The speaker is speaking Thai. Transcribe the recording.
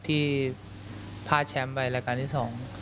ที่พลาดแชมป์ไปรายการที่สอง